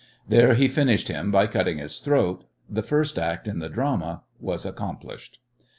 There he finished him by cutting his throat. The first act in the drama was accomplished.